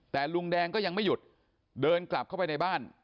แต่ลุงแดงก็ยังไม่หยุดเดินกลับเข้าไปในบ้าน